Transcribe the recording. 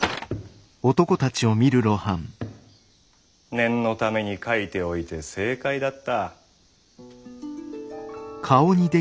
念のために書いておいて正解だった。